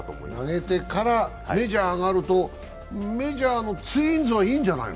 投げてからメジャーへ上がるとメジャーのツインズはいいんじゃないの？